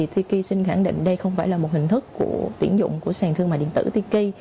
tk khẳng định đây không phải là một hình thức của tuyển dụng của sàn thương mại điện tử tiki